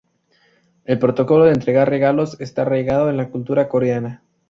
El protocolo de entregar regalos está arraigado en la cultura coreana.